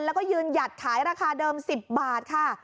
แล้วก็ยืนหยัดขายราคาเดิม๑๐บาทค่ะ